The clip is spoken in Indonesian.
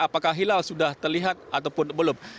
apakah hilal sudah terlihat ataupun belum